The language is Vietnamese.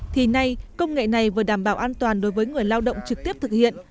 thì nay công nghệ này vừa đảm bảo an toàn đối với người lao động trực tiếp thực hiện